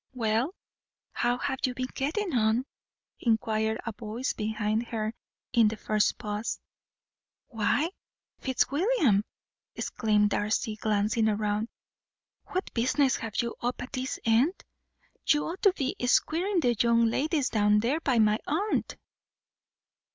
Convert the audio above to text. "Well, how have you been getting on?" inquired a voice behind her, in the first pause. "Why, Fitzwilliam!" exclaimed Darcy, glancing round, "what business have you up at this end? You ought to be squiring the young ladies down there by my aunt."